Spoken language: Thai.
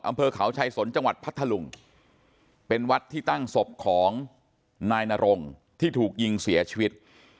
อำเภอเขาชายสนจังหวัดพัทธลุงเป็นวัดที่ตั้งศพของนายนรงที่ถูกยิงเสียชีวิต